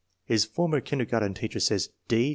His former kindergarten teacher says: "D.